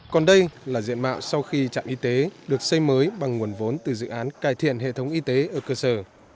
còn đây là diện mạo sau khi trạm y tế được xây mới bằng nguồn vốn từ dự án cải thiện hệ thống y tế ở cơ sở